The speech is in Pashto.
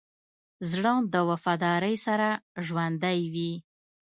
زړه د وفادارۍ سره ژوندی وي.